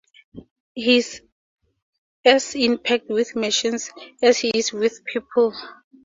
He's as inept with machines as he is with people.